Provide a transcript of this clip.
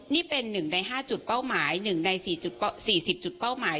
นี่เป็น๑ใน๕จุดเป้าหมาย๑ใน๔๐จุดเป้าหมาย